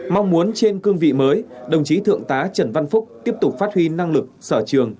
mong muốn trên cương vị mới đồng chí thượng tá trần văn phúc tiếp tục phát huy năng lực sở trường